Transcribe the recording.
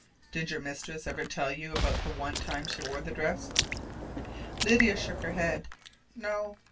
"Did your mistress ever tell you about the one time she wore the dress?" Lydia shook her head. "No.